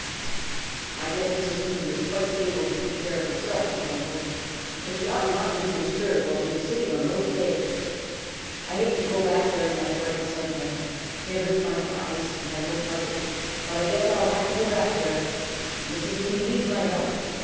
"I guess Mrs. Hooty is quite able to take care of herself," he grumbled, "but she ought not to be disturbed while she is sitting on those eggs. I hate to go back there in that bright sunshine. It hurts my eyes, and I don't like it, but I guess I'll have to go back there. Mrs. Hooty needs my help.